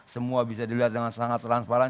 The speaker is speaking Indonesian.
semua bisa dilihat dengan sangat transparan